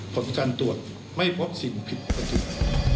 ผลการตรวจไม่พบสิ่งผิดปกติ